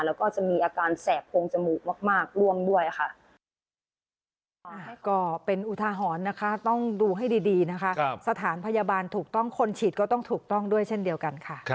แล้วก็จะมีอาการแสบโพงจมูกมากร่วมด้วยค่ะ